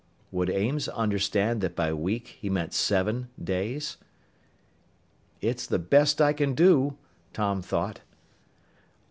Would Ames understand that by "week" he meant seven days?... "It's the best I can do," Tom thought.